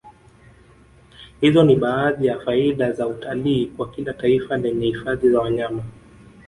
Hizo ni baadhi ya faida za utalii kwa kila taifa lenye hifadhi za wanyama